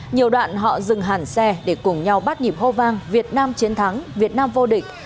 nhiều đoạn họ dừng hẳn xe để cùng nhau bắt nhịp hô vang việt nam chiến thắng việt nam vô địch